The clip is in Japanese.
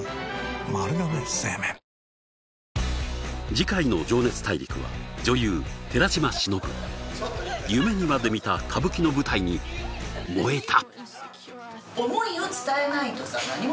次回の「情熱大陸」は夢にまで見た歌舞伎の舞台に燃えた！